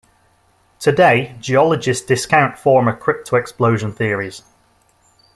Today geologists discount former cryptoexplosion theories.